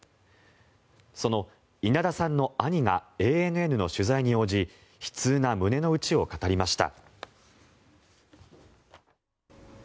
その稲田さんの兄がＡＮＮの取材に応じ悲痛な胸の内を語りました。